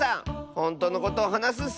ほんとうのことをはなすッス！